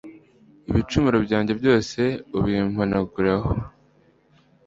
ibicumuro byanjye byose ubimpanagureho